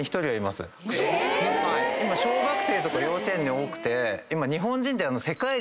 今小学生とか幼稚園に多くて。